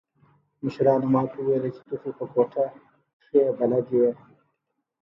مشرانو ما ته وويل چې ته خو په کوټه کښې بلد يې.